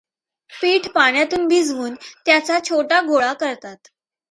पीठ पाण्यात भिजवून, त्याचा छोटा गोळा करतात.